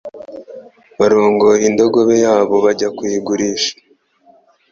barongoye indogobe yabo bajya kuyigurisha.